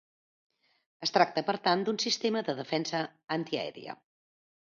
Es tracta per tant d'un sistema de defensa antiaèria.